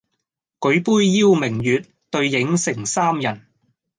舉杯邀明月，對影成三人